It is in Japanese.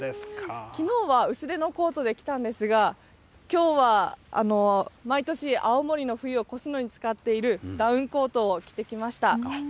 きのうは薄手のコートで来たんですが、きょうは毎年、青森の冬を越すのに使っているダウンコートを着てきました。